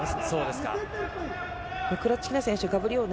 そうですね。